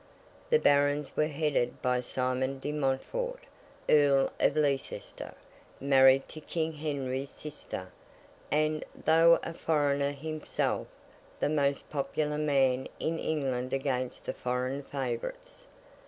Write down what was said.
The Barons were headed by Simon de Montfort, Earl of Leicester, married to King Henry's sister, and, though a foreigner himself, the most popular man in England against the foreign favourites.